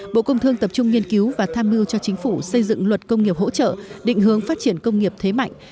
bộ công thương tập trung nghiên cứu và tham mưu cho chính phủ xây dựng luật công nghiệp hỗ trợ định hướng phát triển công nghiệp thế mạnh